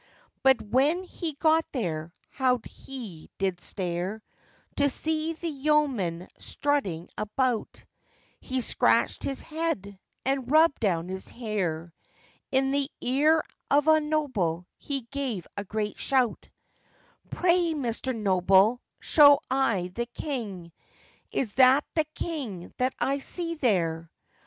But when he got there, how he did stare, To see the yeomen strutting about; He scratched his head, and rubbed down his hair, In the ear of a noble he gave a great shout: 'Pray, Mr. Noble, show I the King; Is that the King that I see there?